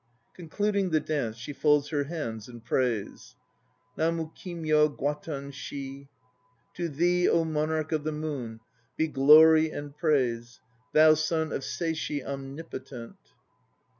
(Concluding the dance, she folds her hands and prays.) NAMU KIMYO GWATTEN SHI. To thee, Monarch of the Moon, Be glory and praise, Thou son of Seishi Omnipotent!